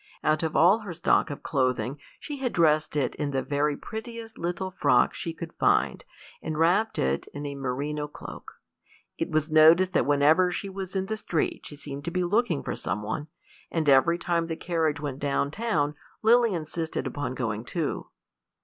Out of all her stock of clothing she had dressed it in the very prettiest little frock she could find, and wrapped it in a merino cloak. It was noticed that whenever she was in the street she seemed to be looking for some one, and every time the carriage went down town Lily insisted upon going too.